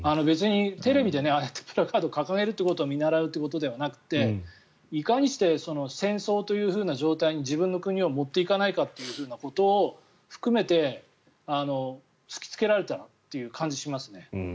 別にテレビでああやってプラカードを掲げるということを見習うということではなくていかにして戦争という状態に自分の国を持っていかないかということを含めて突きつけられたという感じがしますね。